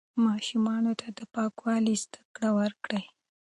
ماشومانو ته د پاکوالي زده کړه ورکړئ.